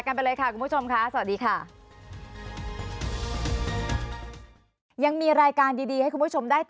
ขอบคุณค่ะขอบคุณอาจารย์ดันไนค่ะขอบคุณค่ะ